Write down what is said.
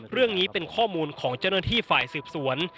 เรื่องนี้เป็นข้อมูลของเจ้าหน้าที่ฝ่ายสืบสวน